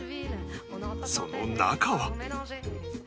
その中は